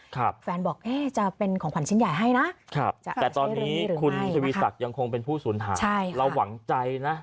แฟนบอกเอ๊ะจะเป็นของขวัญชิ้นใหญ่ให้นะแต่ตอนนี้คุณทวีศักดิ์ยังคงเป็นผู้สูญหายใช่เราหวังใจนะ